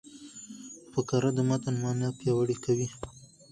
فقره د متن مانا پیاوړې کوي.